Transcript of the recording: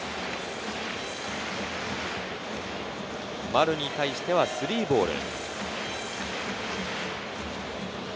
丸に対しては３ボール。